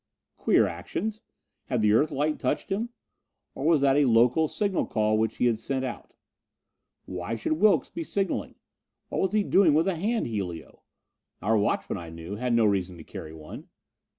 Queer actions! Had the Earthlight touched him? Or was that a local signal call which he had sent out? Why should Wilks be signalling? What was he doing with a hand helio? Our watchmen, I knew, had no reason to carry one.